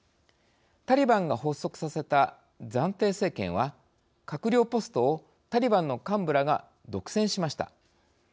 タリバンが発足させた暫定政権は閣僚ポストをタリバンの幹部らが独占しました。